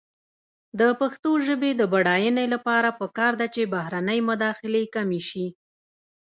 د پښتو ژبې د بډاینې لپاره پکار ده چې بهرنۍ مداخلې کمې شي.